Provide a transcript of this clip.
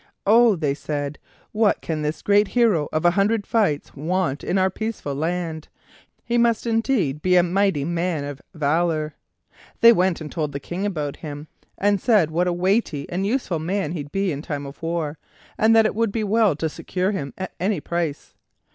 "Oh!" they said, "what can this great hero of a hundred fights want in our peaceful land? He must indeed be a mighty man of valor." They went and told the King about him, and said what a weighty and useful man he'd be in time of war and that it would be well to secure him at any price.